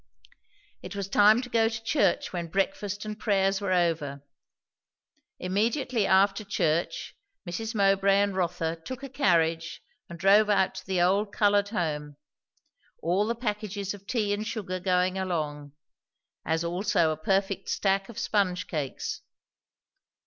It was time to go to church when breakfast and prayers were over. Immediately after church, Mrs. Mowbray and Rotha took a carriage and drove out to the Old Coloured Home; all the packages of tea and sugar going along; as also a perfect stack of sponge cakes.